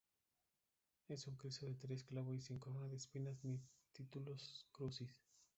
Es un Cristo de tres clavo y sin corona de espinas ni titulus crucis.